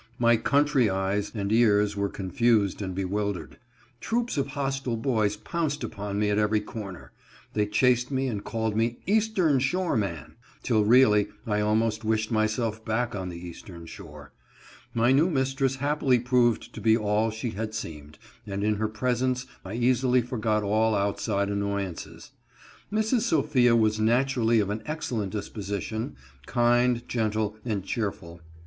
My country eyes and ears were con fused and bewildered. Troops of hostile boys pounced upon me at every corner. They chased me, and called me " Eastern Shore man," till really I almost wished my self back on the Eastern Shore. My new mistress happily proved to be all she had seemed, and in her presence I easily forgot all outside annoyances. Mrs. Sophia was naturally of an excellent disposition — kind, gentle, and (91) 92 HIS NEW MISTRESS. cheerful.